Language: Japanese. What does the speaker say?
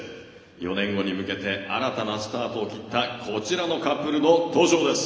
４年後に向けて新たなスタートを切ったこちらのカップルの登場です。